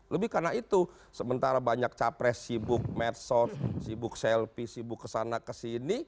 lebih karena itu sementara banyak capres sibuk medsos sibuk selfie sibuk kesana kesini